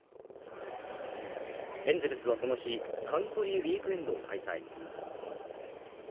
エンゼルスはこの日、カントリーウイークエンドを開催。